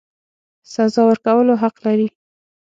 سزا ورکولو حق لري.